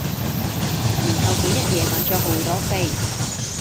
然後佢一野買左好多飛